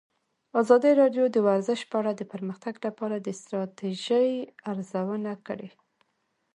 ازادي راډیو د ورزش په اړه د پرمختګ لپاره د ستراتیژۍ ارزونه کړې.